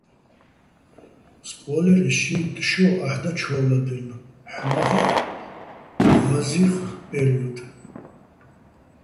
სკო́ლერეჼ შიიტტ შო აჰ̦ და ჩო́ვლადაჲლნო̆, ჰ̦ამა́ხეჸ ღაზი́ვხ პერიოდ.